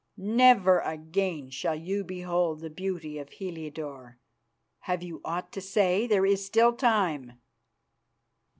Never again shall you behold the beauty of Heliodore. Have you aught to say? There is still time."